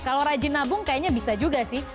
kalau rajin nabung kayaknya bisa juga sih